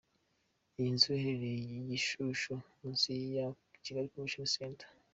Iyi nzu iherereye ku Gishushu munsi ya Kigali Convention Centre.